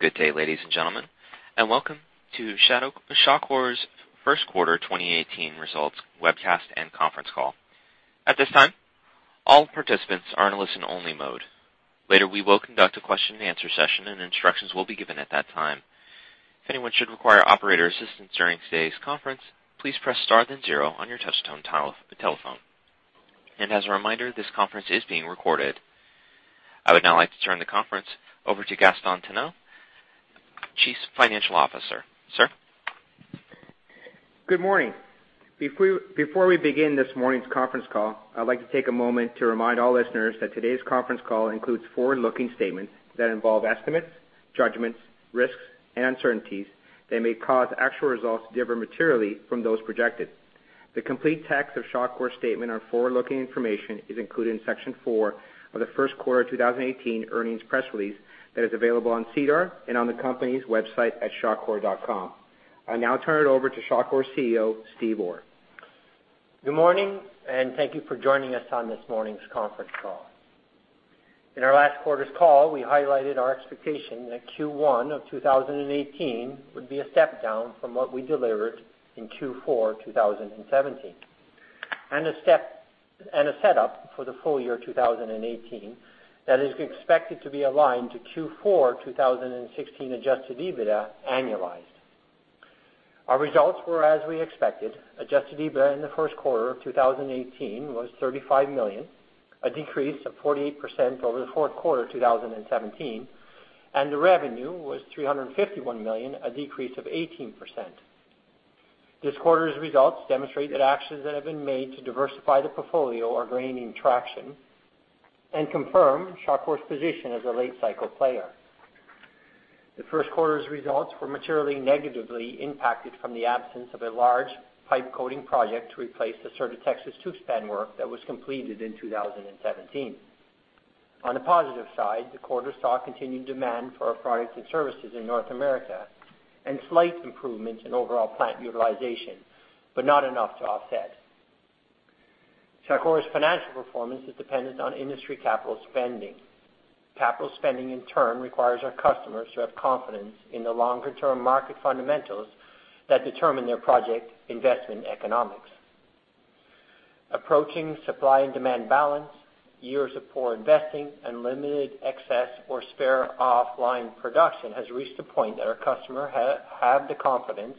Good day, ladies and gentlemen, and welcome to Shawcor's First Quarter 2018 Results Webcast and conference call. At this time, all participants are in a listen-only mode. Later, we will conduct a question-and-answer session, and instructions will be given at that time. If anyone should require operator assistance during today's conference, please press star then zero on your touch-tone telephone. As a reminder, this conference is being recorded. I would now like to turn the conference over to Gaston Tano, Chief Financial Officer. Sir. Good morning. Before we begin this morning's conference call, I'd like to take a moment to remind all listeners that today's conference call includes forward-looking statements that involve estimates, judgments, risks, and uncertainties that may cause actual results to differ materially from those projected. The complete text of Shawcor's statement on forward-looking information is included in section four of the first quarter 2018 earnings press release that is available on SEDAR and on the company's website at shawcor.com. I now turn it over to Shawcor's CEO, Steve Orr. Good morning, and thank you for joining us on this morning's conference call. In our last quarter's call, we highlighted our expectation that Q1 of 2018 would be a step down from what we delivered in Q4 2017, and a setup for the full year 2018 that is expected to be aligned to Q4 2016 adjusted EBITDA annualized. Our results were as we expected. Adjusted EBITDA in the first quarter of 2018 was 35 million, a decrease of 48% over the fourth quarter of 2017, and the revenue was 351 million, a decrease of 18%. This quarter's results demonstrate that actions that have been made to diversify the portfolio are gaining traction and confirm Shawcor's position as a late-cycle player. The first quarter's results were materially negatively impacted from the absence of a large pipe coating project to replace the Sur de Texas-Tuxpan work that was completed in 2017. On the positive side, the quarter saw continued demand for our products and services in North America and slight improvements in overall plant utilization, but not enough to offset. Shawcor's financial performance is dependent on industry capital spending. Capital spending, in turn, requires our customers to have confidence in the longer-term market fundamentals that determine their project investment economics. Approaching supply and demand balance, years of poor investing, and limited excess or spare offline production has reached a point that our customers have the confidence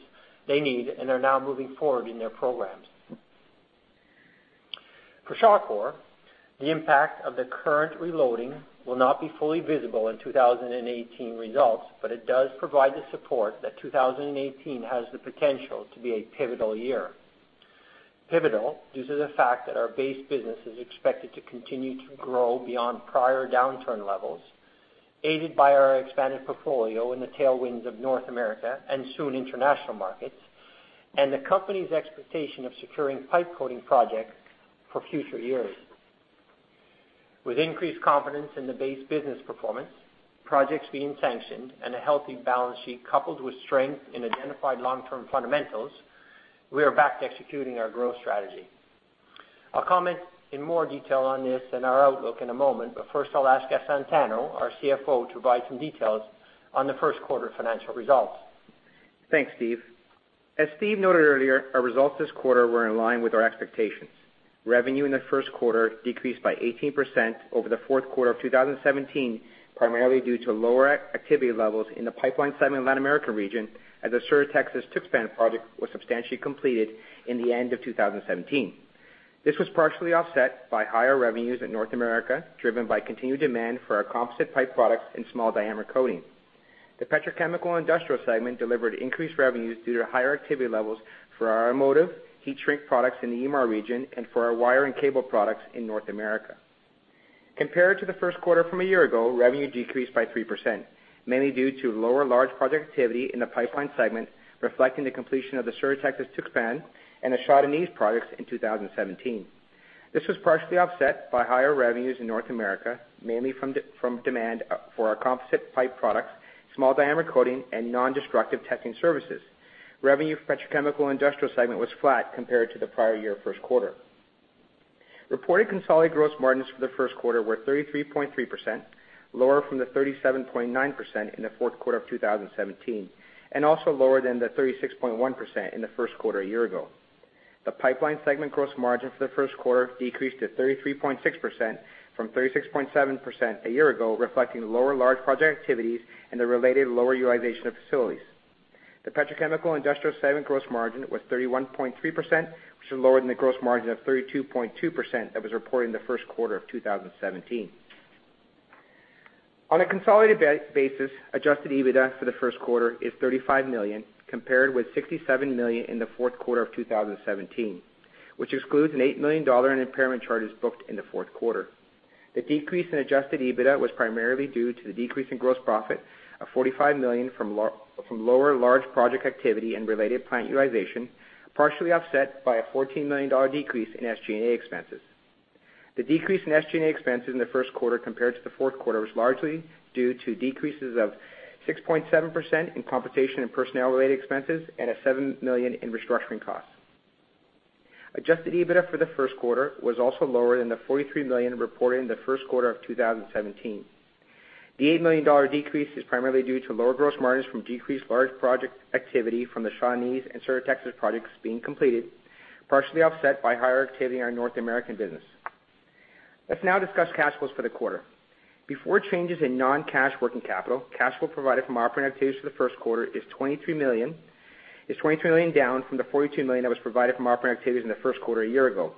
they need and are now moving forward in their programs. For Shawcor, the impact of the current reloading will not be fully visible in 2018 results, but it does provide the support that 2018 has the potential to be a pivotal year. Pivotal due to the fact that our base business is expected to continue to grow beyond prior downturn levels, aided by our expanded portfolio in the tailwinds of North America and soon international markets, and the company's expectation of securing pipe coating projects for future years. With increased confidence in the base business performance, projects being sanctioned, and a healthy balance sheet coupled with strength in identified long-term fundamentals, we are back to executing our growth strategy. I'll comment in more detail on this and our outlook in a moment, but first I'll ask Gaston Tano, our CFO, to provide some details on the first quarter financial results. Thanks, Steve. As Steve noted earlier, our results this quarter were in line with our expectations. Revenue in the first quarter decreased by 18% over the fourth quarter of 2017, primarily due to lower activity levels in the pipeline segment of the Latin American region as the Sur de Texas-Tuxpan project was substantially completed in the end of 2017. This was partially offset by higher revenues in North America driven by continued demand for our composite pipe products and small diameter coating. The petrochemical industrial segment delivered increased revenues due to higher activity levels for our automotive heat shrink products in the EMR region and for our wire and cable products in North America. Compared to the first quarter from a year ago, revenue decreased by 3%, mainly due to lower large project activity in the pipeline segment reflecting the completion of the Sur de Texas-Tuxpan and the Shah Deniz projects in 2017. This was partially offset by higher revenues in North America, mainly from demand for our composite pipe products, small diameter coating, and non-destructive testing services. Revenue for the petrochemical industrial segment was flat compared to the prior year first quarter. Reported consolidated gross margins for the first quarter were 33.3%, lower from the 37.9% in the fourth quarter of 2017, and also lower than the 36.1% in the first quarter a year ago. The pipeline segment gross margin for the first quarter decreased to 33.6% from 36.7% a year ago, reflecting lower large project activities and the related lower utilization of facilities. The petrochemical industrial segment gross margin was 31.3%, which is lower than the gross margin of 32.2% that was reported in the first quarter of 2017. On a consolidated basis, adjusted EBITDA for the first quarter is $35 million compared with $67 million in the fourth quarter of 2017, which excludes an $8 million in impairment charges booked in the fourth quarter. The decrease in adjusted EBITDA was primarily due to the decrease in gross profit of $45 million from lower large project activity and related plant utilization, partially offset by a $14 million decrease in SG&A expenses. The decrease in SG&A expenses in the first quarter compared to the fourth quarter was largely due to decreases of 6.7% in compensation and personnel-related expenses and a $7 million in restructuring costs. Adjusted EBITDA for the first quarter was also lower than the $43 million reported in the first quarter of 2017. The $8 million decrease is primarily due to lower gross margins from decreased large project activity from the Shah Deniz and Sur de Texas-Tuxpan projects being completed, partially offset by higher activity in our North American business. Let's now discuss cash flows for the quarter. Before changes in non-cash working capital, cash flow provided from operating activities for the first quarter is $23 million, down from the $42 million that was provided from operating activities in the first quarter a year ago,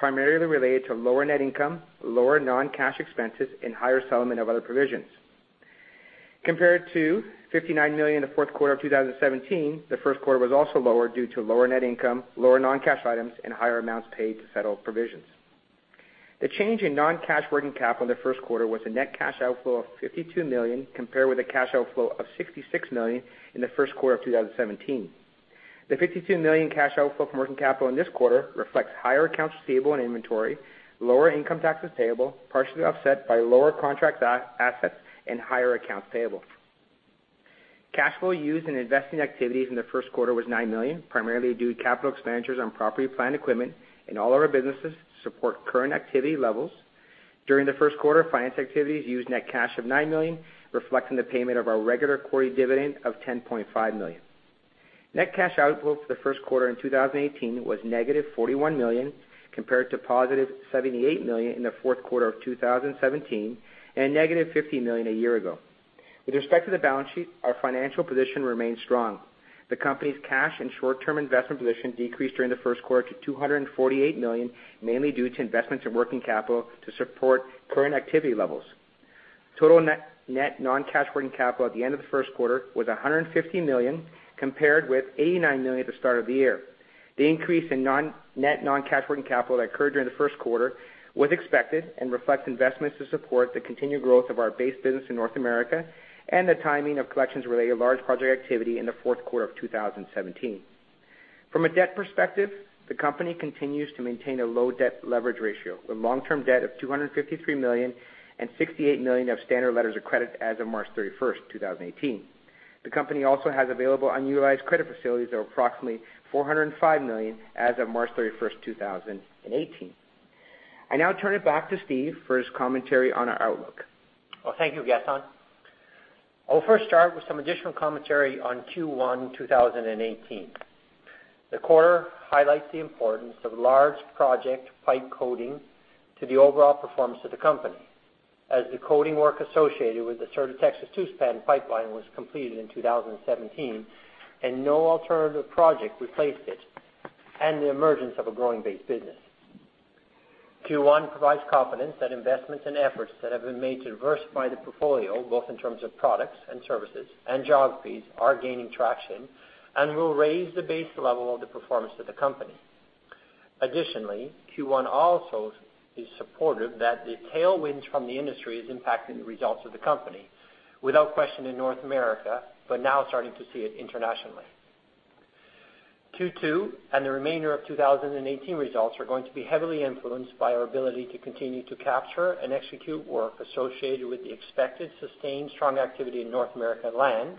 primarily related to lower net income, lower non-cash expenses, and higher settlement of other provisions. Compared to $59 million in the fourth quarter of 2017, the first quarter was also lower due to lower net income, lower non-cash items, and higher amounts paid to settle provisions. The change in non-cash working capital in the first quarter was a net cash outflow of 52 million compared with a cash outflow of 66 million in the first quarter of 2017. The 52 million cash outflow from working capital in this quarter reflects higher accounts receivable and inventory, lower income taxes payable, partially offset by lower contract assets and higher accounts payable. Cash flow used in investing activities in the first quarter was 9 million, primarily due to capital expenditures on property, plant, and equipment in all of our businesses to support current activity levels. During the first quarter, finance activities used net cash of 9 million, reflecting the payment of our regular quarterly dividend of 10.5 million. Net cash outflow for the first quarter in 2018 was negative 41 million compared to positive 78 million in the fourth quarter of 2017 and negative 50 million a year ago. With respect to the balance sheet, our financial position remained strong. The company's cash and short-term investment position decreased during the first quarter to 248 million, mainly due to investments in working capital to support current activity levels. Total net non-cash working capital at the end of the first quarter was 150 million compared with 89 million at the start of the year. The increase in net non-cash working capital that occurred during the first quarter was expected and reflects investments to support the continued growth of our base business in North America and the timing of collections-related large project activity in the fourth quarter of 2017. From a debt perspective, the company continues to maintain a low debt leverage ratio with long-term debt of CAD 253 million and CAD 68 million of standard letters of credit as of March 31, 2018. The company also has available unutilized credit facilities of approximately 405 million as of March 31, 2018. I now turn it back to Steve for his commentary on our outlook. Well, thank you, Gaston. I'll first start with some additional commentary on Q1 2018. The quarter highlights the importance of large project pipe coating to the overall performance of the company as the coating work associated with the Sur de Texas-Tuxpan pipeline was completed in 2017 and no alternative project replaced it and the emergence of a growing base business. Q1 provides confidence that investments and efforts that have been made to diversify the portfolio, both in terms of products and services and geographies, are gaining traction and will raise the base level of the performance of the company. Additionally, Q1 also is supportive that the tailwinds from the industry are impacting the results of the company, without question in North America, but now starting to see it internationally. Q2 and the remainder of 2018 results are going to be heavily influenced by our ability to continue to capture and execute work associated with the expected sustained strong activity in North America land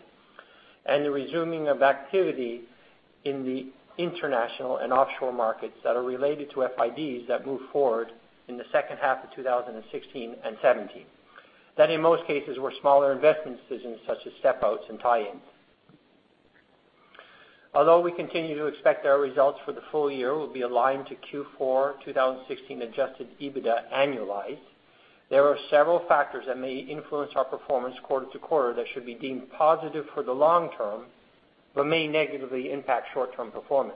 and the resuming of activity in the international and offshore markets that are related to FIDs that move forward in the second half of 2016 and 2017, that in most cases were smaller investment decisions such as step-outs and tie-ins. Although we continue to expect our results for the full year will be aligned to Q4 2016 adjusted EBITDA annualized, there are several factors that may influence our performance quarter to quarter that should be deemed positive for the long term but may negatively impact short-term performance.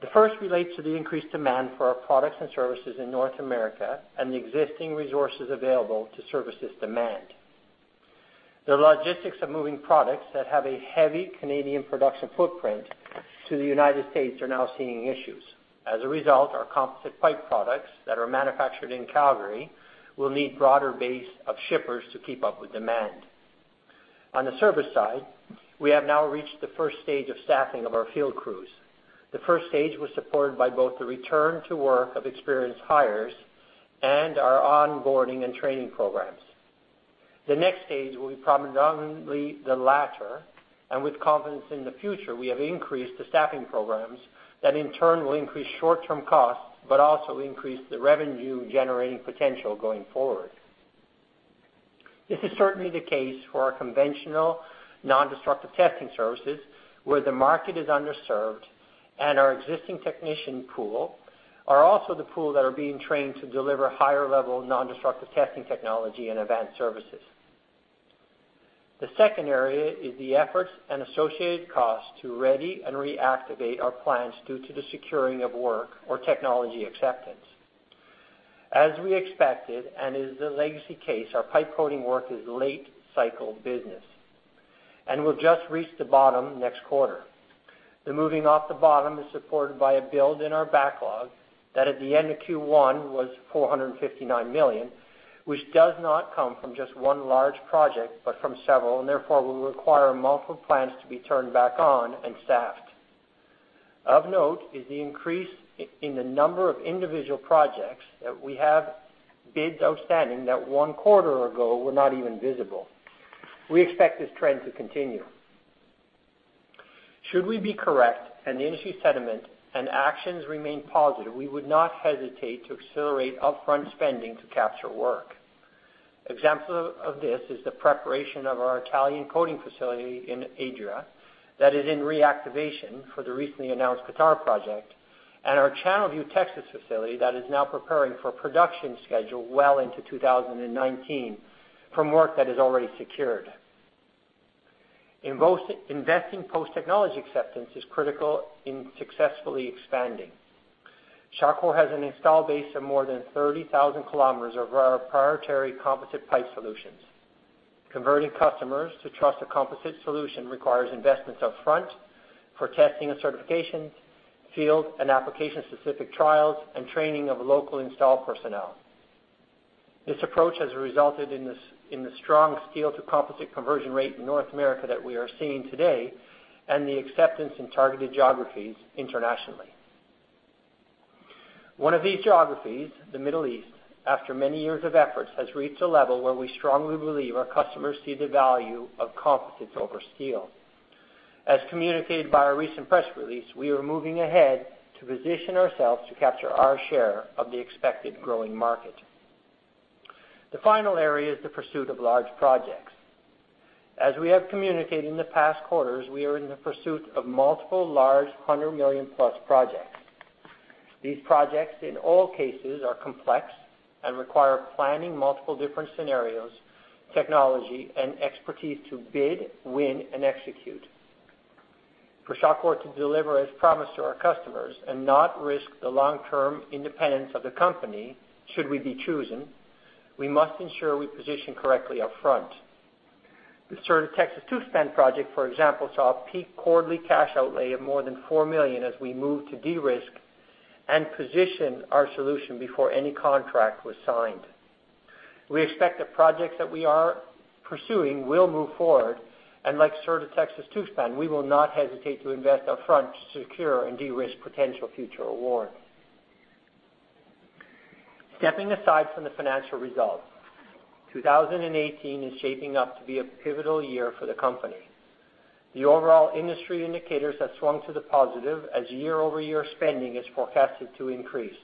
The first relates to the increased demand for our products and services in North America and the existing resources available to service this demand. The logistics of moving products that have a heavy Canadian production footprint to the United States are now seeing issues. As a result, our composite pipe products that are manufactured in Calgary will need a broader base of shippers to keep up with demand. On the service side, we have now reached the first stage of staffing of our field crews. The first stage was supported by both the return to work of experienced hires and our onboarding and training programs. The next stage will be predominantly the latter, and with confidence in the future, we have increased the staffing programs that in turn will increase short-term costs but also increase the revenue-generating potential going forward. This is certainly the case for our conventional non-destructive testing services where the market is underserved and our existing technician pool are also the pool that are being trained to deliver higher-level non-destructive testing technology and advanced services. The second area is the efforts and associated costs to ready and reactivate our plants due to the securing of work or technology acceptance. As we expected and is the legacy case, our pipe coating work is late-cycle business and will just reach the bottom next quarter. The moving off the bottom is supported by a build in our backlog that at the end of Q1 was 459 million, which does not come from just one large project but from several and therefore will require multiple plants to be turned back on and staffed. Of note is the increase in the number of individual projects that we have bids outstanding that one quarter ago were not even visible. We expect this trend to continue. Should we be correct and the industry sentiment and actions remain positive, we would not hesitate to accelerate upfront spending to capture work. Example of this is the preparation of our Italian coating facility in Adria that is in reactivation for the recently announced Qatar project and our Channelview Texas facility that is now preparing for production schedule well into 2019 from work that is already secured. Investing post-technology acceptance is critical in successfully expanding. Shawcor has an installed base of more than 30,000 km of our priority composite pipe solutions. Converting customers to trust a composite solution requires investments upfront for testing and certifications, field and application-specific trials, and training of local install personnel. This approach has resulted in the strong steel-to-composite conversion rate in North America that we are seeing today and the acceptance in targeted geographies internationally. One of these geographies, the Middle East, after many years of efforts, has reached a level where we strongly believe our customers see the value of composites over steel. As communicated by our recent press release, we are moving ahead to position ourselves to capture our share of the expected growing market. The final area is the pursuit of large projects. As we have communicated in the past quarters, we are in the pursuit of multiple large 100 million+ projects. These projects, in all cases, are complex and require planning multiple different scenarios, technology, and expertise to bid, win, and execute. For Shawcor to deliver as promised to our customers and not risk the long-term independence of the company should we be chosen, we must ensure we position correctly upfront. The Sur de Texas-Tuxpan project, for example, saw a peak quarterly cash outlay of more than 4 million as we moved to de-risk and position our solution before any contract was signed. We expect the projects that we are pursuing will move forward, and like Sur de Texas-Tuxpan, we will not hesitate to invest upfront to secure and de-risk potential future awards. Stepping aside from the financial results, 2018 is shaping up to be a pivotal year for the company. The overall industry indicators have swung to the positive as year-over-year spending is forecasted to increase: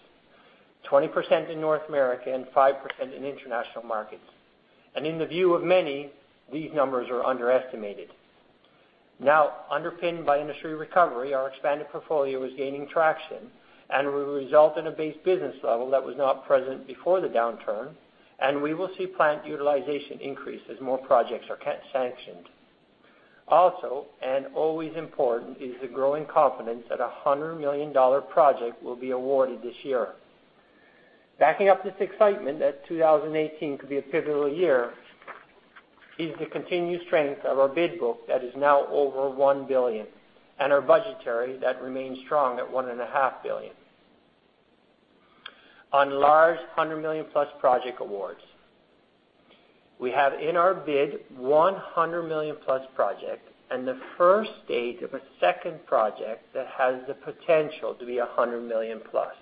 20% in North America and 5% in international markets. In the view of many, these numbers are underestimated. Now, underpinned by industry recovery, our expanded portfolio is gaining traction and will result in a base business level that was not present before the downturn, and we will see plant utilization increase as more projects are sanctioned. Also, and always important, is the growing confidence that a $100 million project will be awarded this year. Backing up this excitement that 2018 could be a pivotal year is the continued strength of our bid book that is now over 1 billion and our budgetary that remains strong at 1.5 billion. On large $100 million-plus project awards, we have in our bid $100 million-plus projects and the first stage of a second project that has the potential to be $100 million-plus.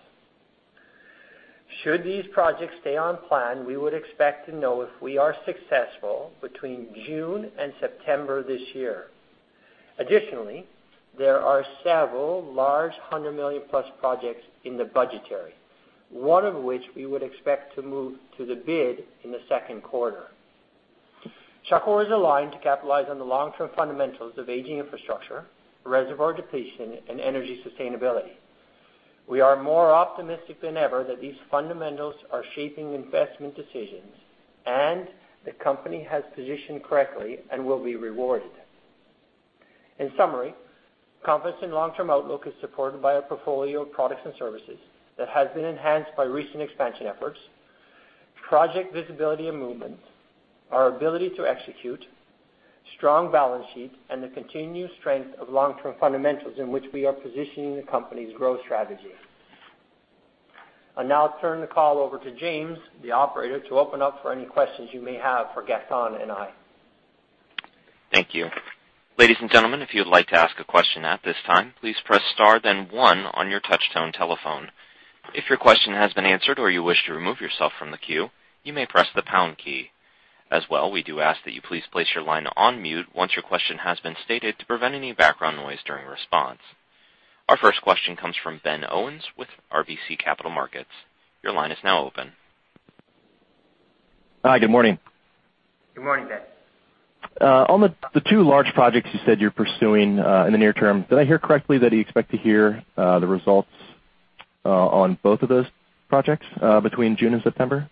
Should these projects stay on plan, we would expect to know if we are successful between June and September this year. Additionally, there are several large 100 million+ projects in the budgetary, one of which we would expect to move to the bid in the second quarter. Shawcor is aligned to capitalize on the long-term fundamentals of aging infrastructure, reservoir depletion, and energy sustainability. We are more optimistic than ever that these fundamentals are shaping investment decisions and the company has positioned correctly and will be rewarded. In summary, confidence in long-term outlook is supported by a portfolio of products and services that has been enhanced by recent expansion efforts, project visibility and movement, our ability to execute, strong balance sheet, and the continued strength of long-term fundamentals in which we are positioning the company's growth strategy. I'll now turn the call over to James, the operator, to open up for any questions you may have for Gaston and I. Thank you. Ladies and gentlemen, if you'd like to ask a question at this time, please press star then one on your touchtone telephone. If your question has been answered or you wish to remove yourself from the queue, you may press the pound key. As well, we do ask that you please place your line on mute once your question has been stated to prevent any background noise during response. Our first question comes from Ben Owens with RBC Capital Markets. Your line is now open. Hi, good morning. Good morning, Ben. On the two large projects you said you're pursuing in the near term, did I hear correctly that you expect to hear the results on both of those projects between June and September?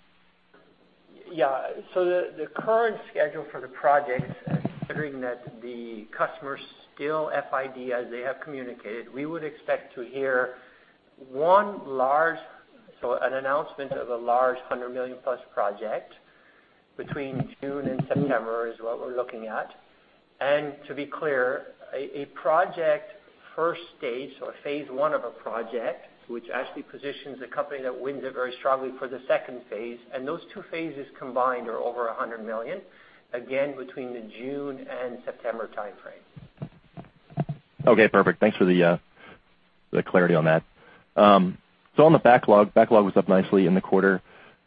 Yeah. So the current schedule for the projects, considering that the customers still to FID, as they have communicated, we would expect to hear one large, so an announcement of a large 100 million+ project between June and September is what we're looking at. And to be clear, a project first stage or phase one of a project, which actually positions the company that wins it very strongly for the second phase, and those two phases combined are over 100 million, again between the June and September timeframe. Okay, perfect. Thanks for the clarity on that. So on the backlog, backlog was up nicely in the quarter.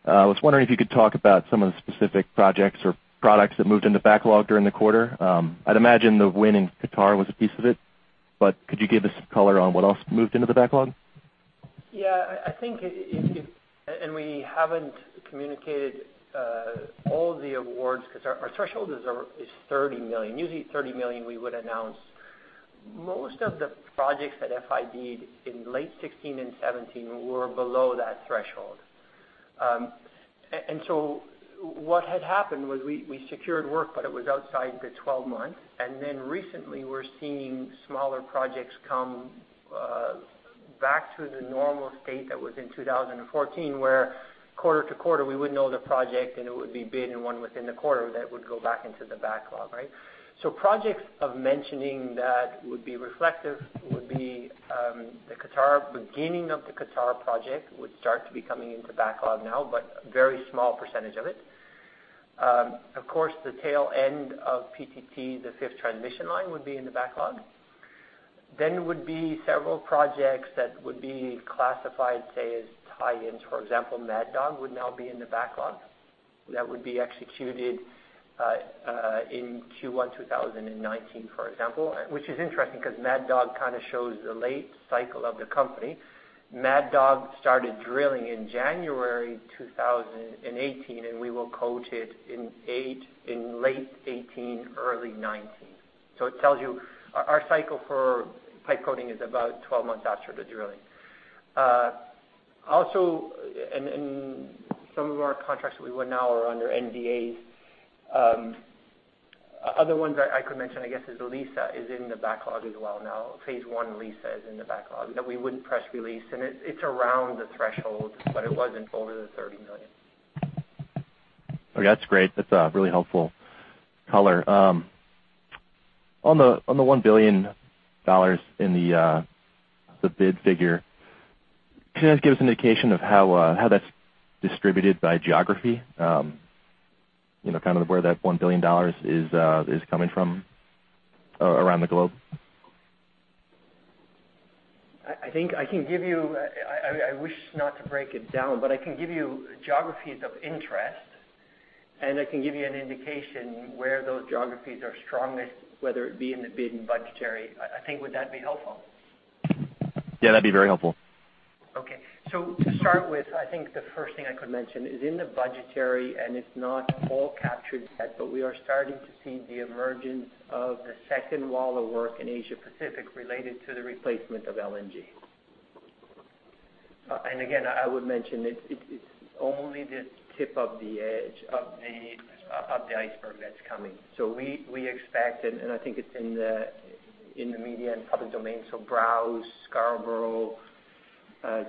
I was wondering if you could talk about some of the specific projects or products that moved into backlog during the quarter. I'd imagine the win in Qatar was a piece of it, but could you give us some color on what else moved into the backlog? Yeah, I think, and we haven't communicated all the awards because our threshold is 30 million. Usually, 30 million we would announce. Most of the projects that FID'd in late 2016 and 2017 were below that threshold. And so what had happened was we secured work, but it was outside the 12 months. And then recently, we're seeing smaller projects come back to the normal state that was in 2014 where quarter to quarter we would know the project and it would be bid and one within the quarter that would go back into the backlog, right? So projects of mentioning that would be reflective, would be the Qatar beginning of the Qatar project would start to be coming into backlog now, but a very small percentage of it. Of course, the tail end of PTT, the fifth transmission line, would be in the backlog. Then would be several projects that would be classified, say, as tie-ins. For example, Mad Dog would now be in the backlog that would be executed in Q1 2019, for example, which is interesting because Mad Dog kind of shows the late cycle of the company. Mad Dog started drilling in January 2018, and we will coat it in late 2018, early 2019. So it tells you our cycle for pipe coating is about 12 months after the drilling. Also, in some of our contracts that we would now are under NDAs, other ones I could mention, I guess, is Liza is in the backlog as well now. Phase one Liza is in the backlog that we wouldn't press release, and it's around the threshold, but it wasn't over the 30 million. Okay, that's great. That's really helpful color. On the $1 billion in the bid figure, can you guys give us an indication of how that's distributed by geography, kind of where that $1 billion is coming from around the globe? I think I can give you, I wish not to break it down, but I can give you geographies of interest, and I can give you an indication where those geographies are strongest, whether it be in the bid and budgetary. I think, would that be helpful? Yeah, that'd be very helpful. Okay. So to start with, I think the first thing I could mention is in the budgetary, and it's not all captured yet, but we are starting to see the emergence of the second wall of work in Asia-Pacific related to the replacement of LNG. And again, I would mention it's only the tip of the edge of the iceberg that's coming. So we expect, and I think it's in the media and public domain, so Browse, Scarborough,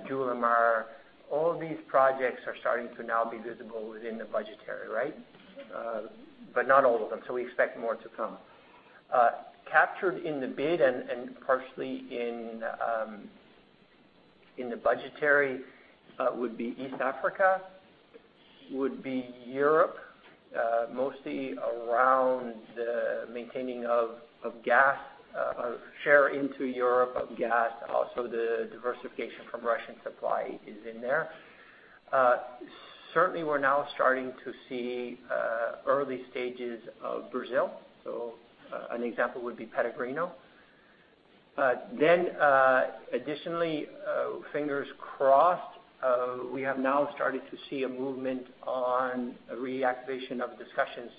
Julimar, all these projects are starting to now be visible within the budgetary, right? But not all of them, so we expect more to come. Captured in the bid and partially in the budgetary would be East Africa, would be Europe, mostly around the maintaining of gas, a share into Europe of gas, also the diversification from Russian supply is in there. Certainly, we're now starting to see early stages of Brazil. An example would be Peregrino. Additionally, fingers crossed, we have now started to see a movement on reactivation of discussions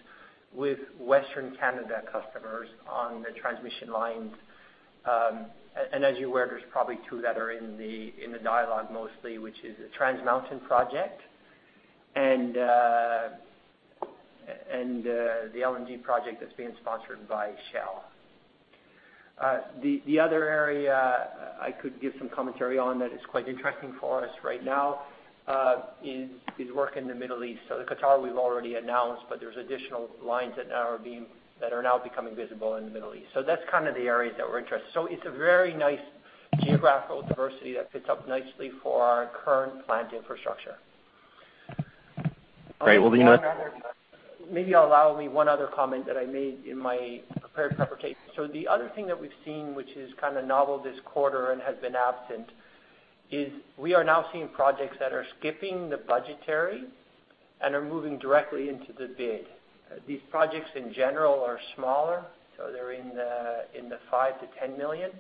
with Western Canada customers on the transmission lines. As you're aware, there's probably two that are in the dialogue mostly, which is the Trans Mountain project and the LNG project that's being sponsored by Shell. The other area I could give some commentary on that is quite interesting for us right now is work in the Middle East. The Qatar we've already announced, but there's additional lines that are now becoming visible in the Middle East. That's kind of the areas that we're interested. It's a very nice geographical diversity that fits up nicely for our current plant infrastructure. Great. Well, then you know. Maybe allow me one other comment that I made in my prepared preparation. So the other thing that we've seen, which is kind of novel this quarter and has been absent, is we are now seeing projects that are skipping the budgetary and are moving directly into the bid. These projects in general are smaller, so they're in the 5 million-10 million.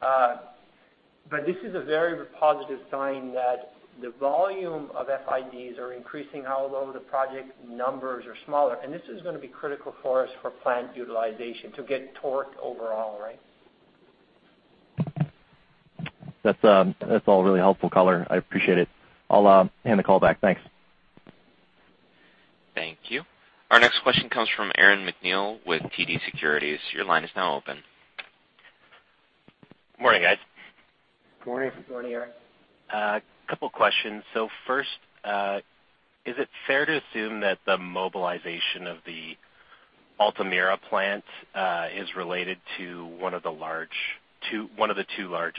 But this is a very positive sign that the volume of FIDs are increasing, although the project numbers are smaller. And this is going to be critical for us for plant utilization to get torqued overall, right? That's all really helpful color. I appreciate it. I'll hand the call back. Thanks. Thank you. Our next question comes from Aaron MacNeil with TD Securities. Your line is now open. Good morning, guys. Good morning. Good morning, Aaron. A couple of questions. First, is it fair to assume that the mobilization of the Altamira plant is related to one of the large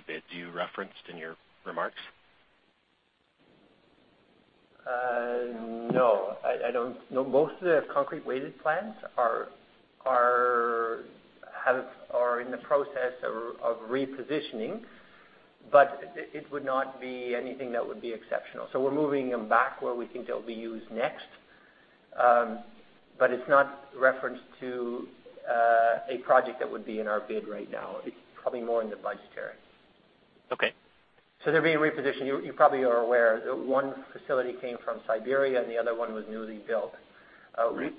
bid you referenced in your remarks? No. I don't know. Most of the concrete weight coating plants are in the process of repositioning, but it would not be anything that would be exceptional. So we're moving them back where we think they'll be used next, but it's not referenced to a project that would be in our bid right now. It's probably more in the budgetary. Okay. So they're being repositioned. You probably are aware. One facility came from Siberia, and the other one was newly built.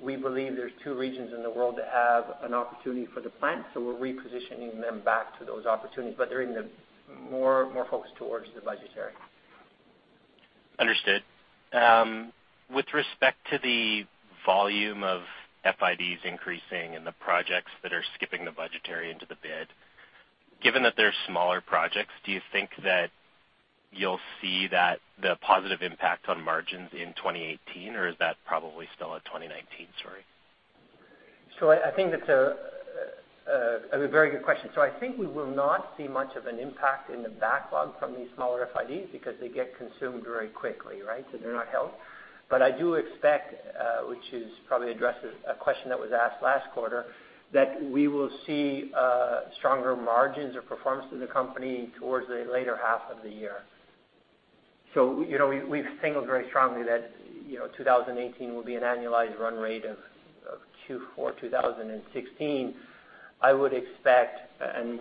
We believe there's two regions in the world that have an opportunity for the plant, so we're repositioning them back to those opportunities, but they're more focused towards the budgetary. Understood. With respect to the volume of FIDs increasing and the projects that are skipping the budgetary into the bid, given that they're smaller projects, do you think that you'll see the positive impact on margins in 2018, or is that probably still a 2019 story? So I think that's a—I mean, very good question. So I think we will not see much of an impact in the backlog from these smaller FIDs because they get consumed very quickly, right? So they're not held. But I do expect, which is probably addresses a question that was asked last quarter, that we will see stronger margins or performance of the company towards the later half of the year. So we've signaled very strongly that 2018 will be an annualized run rate of Q4 2016. I would expect, and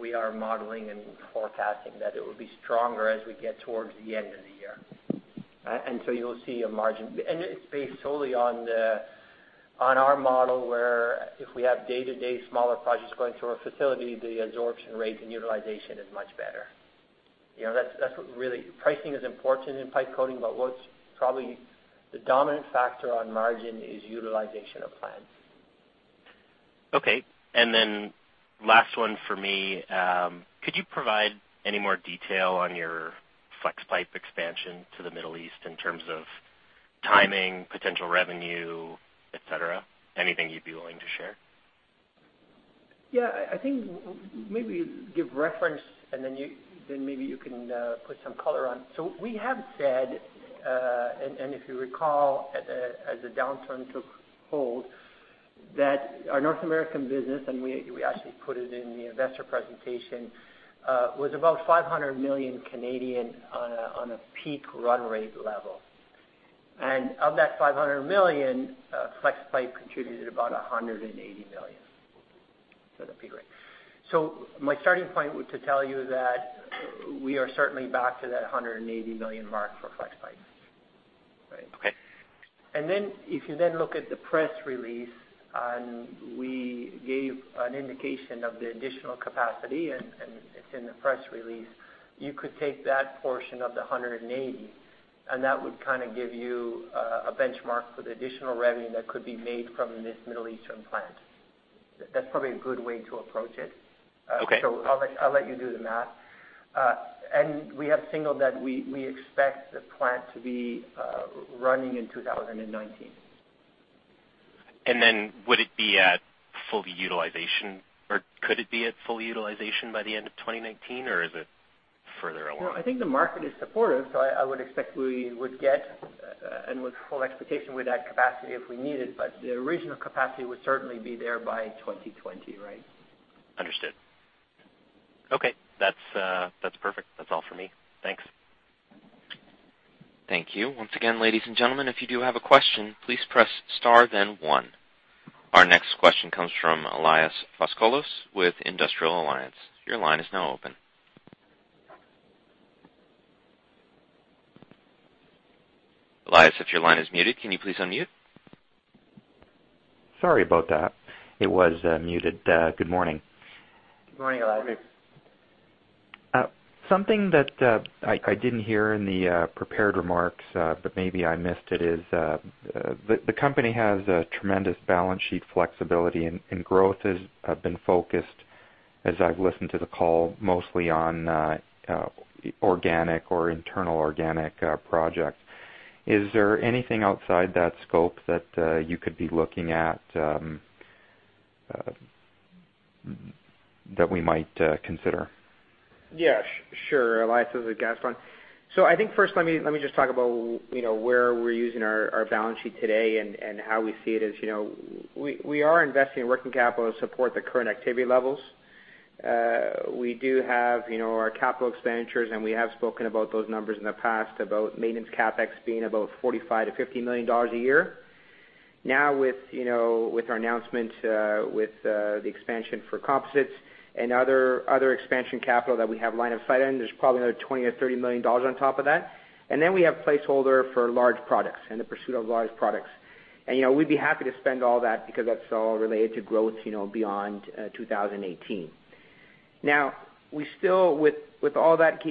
we are modeling and forecasting that it will be stronger as we get towards the end of the year. And so you'll see a margin, and it's based solely on our model where if we have day-to-day smaller projects going through our facility, the absorption rate and utilization is much better. That's really, pricing is important in pipe coating, but what's probably the dominant factor on margin is utilization of plants. Okay. And then last one for me, could you provide any more detail on your flex pipe expansion to the Middle East in terms of timing, potential revenue, etc.? Anything you'd be willing to share? Yeah. I think maybe give reference, and then maybe you can put some color on. So we have said, and if you recall, as the downturn took hold, that our North American business, and we actually put it in the investor presentation, was about 500 million on a peak run rate level. And of that 500 million, FlexPipe contributed about 180 million. So that'd be great. So my starting point to tell you that we are certainly back to that 180 million mark for FlexPipe, right? Okay. And then if you then look at the press release, and we gave an indication of the additional capacity, and it's in the press release, you could take that portion of the 180, and that would kind of give you a benchmark for the additional revenue that could be made from this Middle Eastern plant. That's probably a good way to approach it. I'll let you do the math. We have signaled that we expect the plant to be running in 2019. And then would it be at full utilization, or could it be at full utilization by the end of 2019, or is it further along? No, I think the market is supportive, so I would expect we would get, and with full expectation, we'd add capacity if we need it, but the original capacity would certainly be there by 2020, right? Understood. Okay. That's perfect. That's all for me. Thanks. Thank you. Once again, ladies and gentlemen, if you do have a question, please press star, then one. Our next question comes from Elias Foscolos with Industrial Alliance. Your line is now open. Elias, if your line is muted, can you please unmute? Sorry about that. It was muted. Good morning. Good morning, Elias. Something that I didn't hear in the prepared remarks, but maybe I missed it, is the company has a tremendous balance sheet flexibility, and growth has been focused, as I've listened to the call, mostly on organic or internal organic projects. Is there anything outside that scope that you could be looking at that we might consider? Yeah, sure. Elias has a gas fund. So I think first, let me just talk about where we're using our balance sheet today and how we see it. We are investing in working capital to support the current activity levels. We do have our capital expenditures, and we have spoken about those numbers in the past, about maintenance CapEx being about 45 million-50 million dollars a year. Now, with our announcement with the expansion for composites and other expansion capital that we have line of sight in, there's probably another 20 million or 30 million dollars on top of that. And then we have placeholder for large products and the pursuit of large products. And we'd be happy to spend all that because that's all related to growth beyond 2018. Now, with all that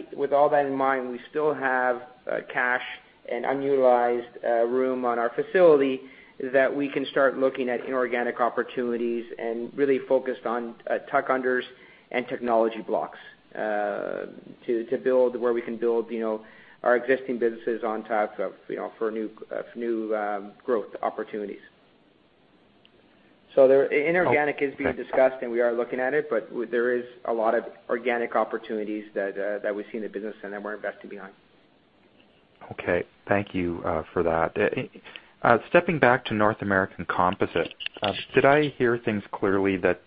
in mind, we still have cash and unutilized room on our facility that we can start looking at inorganic opportunities and really focused on tuck unders and technology blocks to build where we can build our existing businesses on top for new growth opportunities. So inorganic is being discussed, and we are looking at it, but there is a lot of organic opportunities that we see in the business, and then we're investing behind. Okay. Thank you for that. Stepping back to North American composite, did I hear things clearly that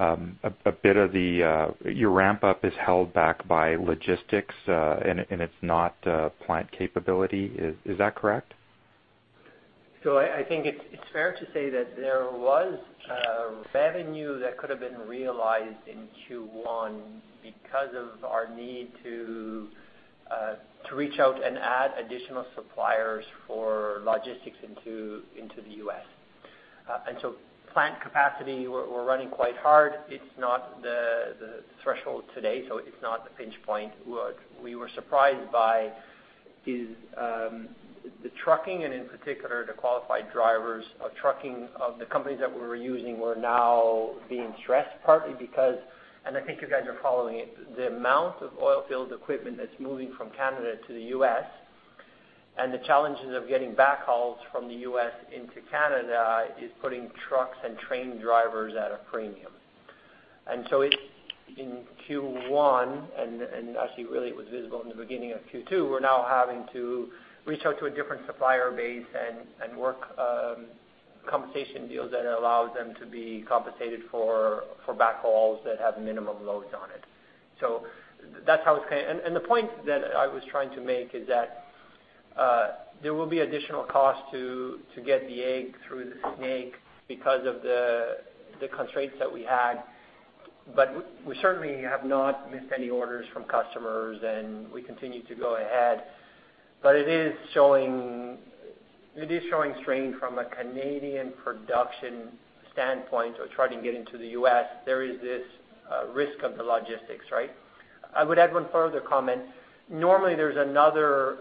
a bit of your ramp-up is held back by logistics, and it's not plant capability? Is that correct? So I think it's fair to say that there was revenue that could have been realized in Q1 because of our need to reach out and add additional suppliers for logistics into the U.S. And so plant capacity, we're running quite hard. It's not the threshold today, so it's not the pinch point. What we were surprised by is the trucking, and in particular, the qualified drivers of trucking of the companies that we were using were now being stressed, partly because, and I think you guys are following it, the amount of oilfield equipment that's moving from Canada to the U.S. and the challenges of getting backhauls from the US into Canada is putting trucks and train drivers at a premium. In Q1, and actually really it was visible in the beginning of Q2, we're now having to reach out to a different supplier base and work compensation deals that allow them to be compensated for backhauls that have minimum loads on it. So that's how it's going to, and the point that I was trying to make is that there will be additional cost to get the egg through the snake because of the constraints that we had. But we certainly have not missed any orders from customers, and we continue to go ahead. But it is showing strain from a Canadian production standpoint of trying to get into the U.S. There is this risk of the logistics, right? I would add one further comment. Normally, there's another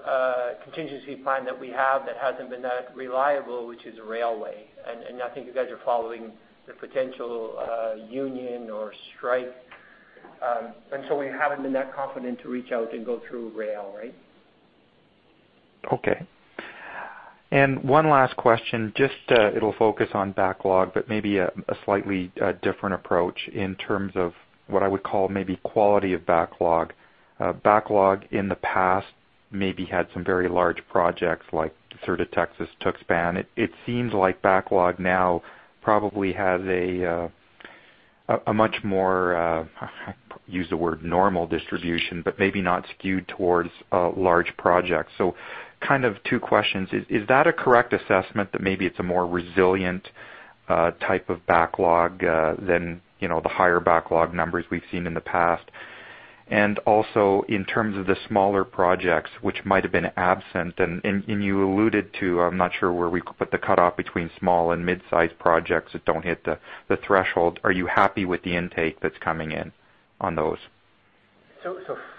contingency plan that we have that hasn't been that reliable, which is railway. I think you guys are following the potential union or strike. We haven't been that confident to reach out and go through rail, right? Okay. One last question. It'll focus on backlog, but maybe a slightly different approach in terms of what I would call maybe quality of backlog. Backlog in the past maybe had some very large projects like Sur de Texas-Tuxpan. It seems like backlog now probably has a much more, I'll use the word normal distribution, but maybe not skewed towards large projects. So kind of two questions. Is that a correct assessment that maybe it's a more resilient type of backlog than the higher backlog numbers we've seen in the past? And also in terms of the smaller projects, which might have been absent, and you alluded to, I'm not sure where we put the cutoff between small and mid-sized projects that don't hit the threshold. Are you happy with the intake that's coming in on those?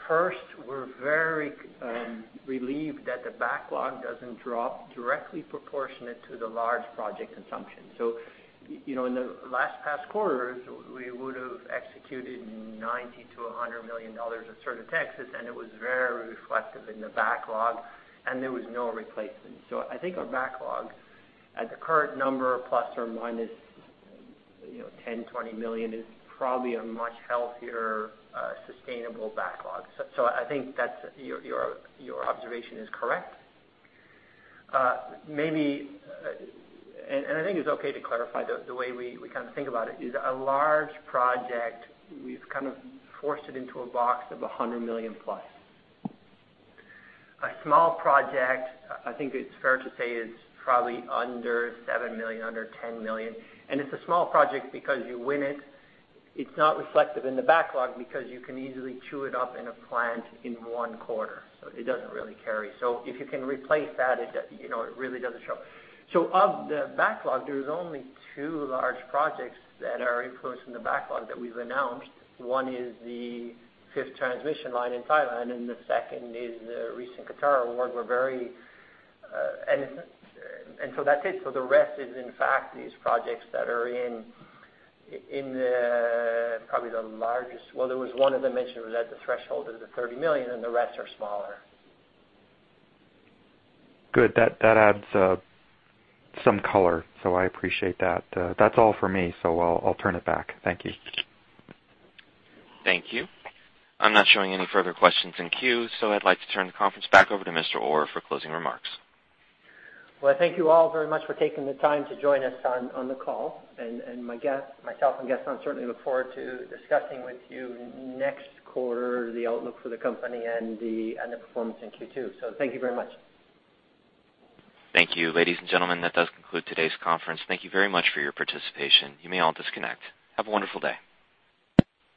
First, we're very relieved that the backlog doesn't drop directly proportionate to the large project consumption. In the past quarter, we would have executed 90 million-100 million dollars of Sur de Texas, and it was very reflective in the backlog, and there was no replacement. I think our backlog at the current number, ±10 million-20 million, is probably a much healthier, sustainable backlog. I think your observation is correct. And I think it's okay to clarify the way we kind of think about it. A large project, we've kind of forced it into a box of 100 million+. A small project, I think it's fair to say, is probably under 7 million, under 10 million. And it's a small project because you win it. It's not reflective in the backlog because you can easily chew it up in a plant in one quarter. So it doesn't really carry. So if you can replace that, it really doesn't show. So of the backlog, there are only two large projects that are influencing the backlog that we've announced. One is the fifth transmission line in Thailand, and the second is the recent Qatar award. And so that's it. So the rest is, in fact, these projects that are in probably the largest—well, there was one as I mentioned, was at the threshold of the $30 million, and the rest are smaller. Good. That adds some color, so I appreciate that. That's all for me, so I'll turn it back. Thank you. Thank you. I'm not showing any further questions in queue, so I'd like to turn the conference back over to Mr. Orr for closing remarks. Well, thank you all very much for taking the time to join us on the call. Myself and Gaston certainly look forward to discussing with you next quarter the outlook for the company and the performance in Q2. Thank you very much. Thank you. Ladies and gentlemen, that does conclude today's conference. Thank you very much for your participation. You may all disconnect. Have a wonderful day.